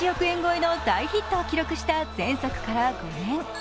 円超えの大ヒットを記録した前作から５年